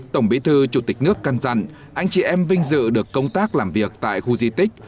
tổng bí thư chủ tịch nước cân rằng anh chị em vinh dự được công tác làm việc tại khu di tích